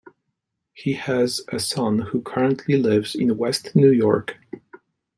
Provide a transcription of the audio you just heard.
He has a son who currently lives in West New York.